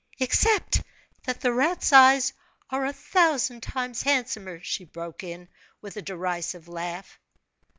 "Except that the rat's eyes are a thousand times handsomer," she broke in, with a derisive laugh.